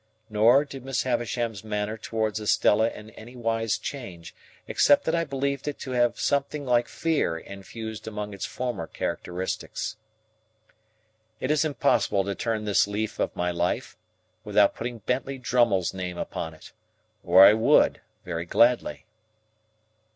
Nor, did Miss Havisham's manner towards Estella in anywise change, except that I believed it to have something like fear infused among its former characteristics. It is impossible to turn this leaf of my life, without putting Bentley Drummle's name upon it; or I would, very gladly.